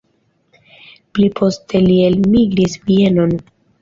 Pli poste li elmigris Vienon.